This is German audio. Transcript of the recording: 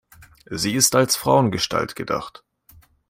Sie ist als Frauengestalt gedacht.